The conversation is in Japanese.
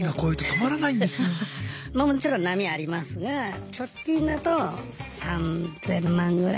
まあもちろん波ありますが直近だと３０００万ぐらい。